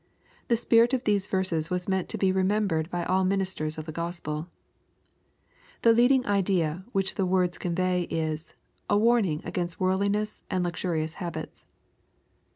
The spirit of these verses is meant to be remem« bered by all ministers of the Q ospel. The leading idea which the words convey is, a warn ing against worldliness and luxurious habits.